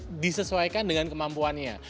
kita harus bisa menyesuaikan dengan kemampuannya